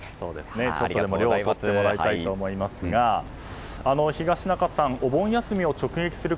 ちょっとでも涼をとってもらいたいと思いますが東中さん、お盆休みを直撃する